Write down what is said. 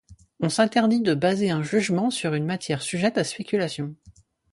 On s'interdit de baser un jugement sur une matière sujette à spéculation.